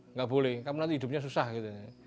nggak boleh kamu nanti hidupnya susah gitu